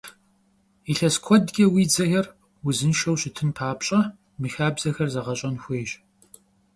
Илъэс куэдкӀэ уи дзэхэр узыншэу щытын папщӀэ, мы хабзэхэр гъэзэщӀэн хуейщ!